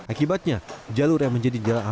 akibatnya jalur yang menjadi jalan alternatif